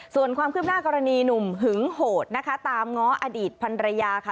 ส่วนความคืบหน้ากรณีหนุ่มหึงโหดนะคะตามง้ออดีตพันรยาค่ะ